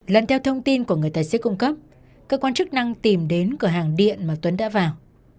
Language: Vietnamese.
lần theo thông tin của người tài xế cung cấp cơ quan chức năng tìm đến cửa hàng điện mà tuấn đã vào